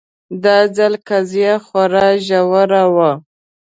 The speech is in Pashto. دا ځل قضیه خورا ژوره وه